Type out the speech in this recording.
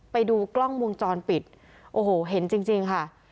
ไปดูกล้องวงจรปิดโอ้โหเห็นจริงค่ะ